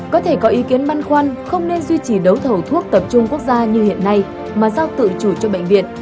có thể có ý kiến băn khoăn không nên duy trì đấu thầu thuốc tập trung quốc gia như hiện nay mà giao tự chủ cho bệnh viện